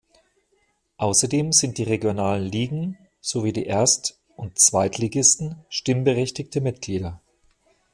Außerdem sind die regionalen Ligen sowie die Erst- und Zweitligisten stimmberechtigte Mitglieder.